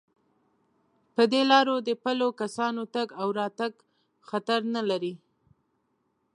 په دې لارو د پلو کسانو تگ او راتگ خطر نه لري.